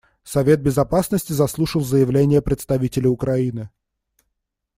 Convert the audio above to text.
Совет Безопасности заслушал заявление представителя Украины.